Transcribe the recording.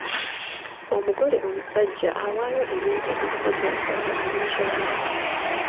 Omugole omusajja awaayo ebintu ku buko ng'atwala omukyala.